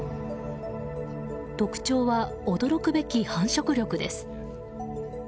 特徴は驚くべき繁殖力です。